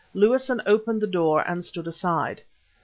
Lewison opened the door and stood aside.